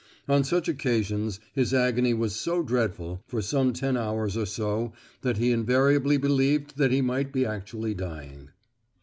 On such occasions, his agony was so dreadful for some ten hours or so that he invariably believed that he must be actually dying.